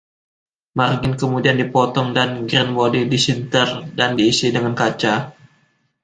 Margin kemudian dipotong dan greenbody disinter dan diisi dengan kaca.